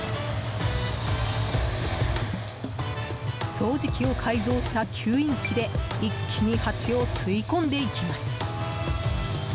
掃除機を改造した吸引器で一気にハチを吸い込んでいきます。